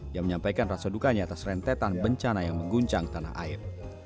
yang menyampaikan rasa dukanya atas rentetan bencana yang mengguncang tanah air